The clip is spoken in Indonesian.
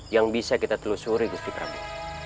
yang bisa kita telusuri gusti prabowo